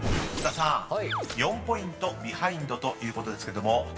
［菅田さん４ポイントビハインドということですけども］